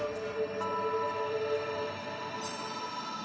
はい。